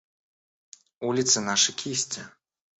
Улицы – наши кисти.